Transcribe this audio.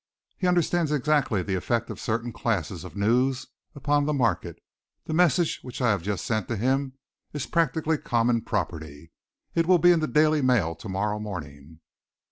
He understands exactly the effect of certain classes of news upon the market. The message which I have just sent to him is practically common property. It will be in the Daily Mail to morrow morning.